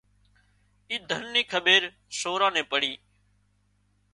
اي ڌن نِي کٻيرسوران نين پڙي